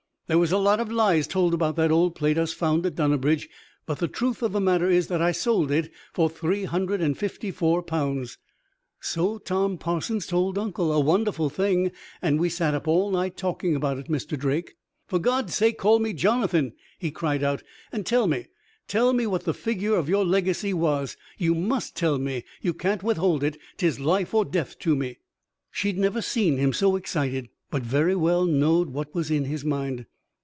"There was a lot of lies told about that old plate us found at Dunnabridge. But the truth of the matter is, that I sold it for three hundred and fifty four pounds." "So Tom Parsons told uncle. A wonderful thing; and we sat up all night talking about it, Mr. Drake." "For God's sake call me 'Jonathan'!" he cried out; "and tell me tell me what the figure of your legacy was. You must tell me you can't withhold it. 'Tis life or death to me." She'd never seen him so excited, but very well knowed what was in his mind.